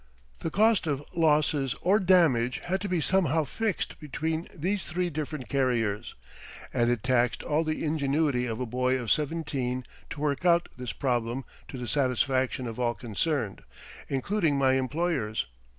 The cost of losses or damage had to be somehow fixed between these three different carriers, and it taxed all the ingenuity of a boy of seventeen to work out this problem to the satisfaction of all concerned, including my employers.